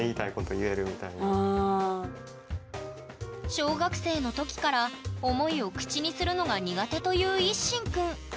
小学生の時から思いを口にするのが苦手というＩＳＳＨＩＮくん。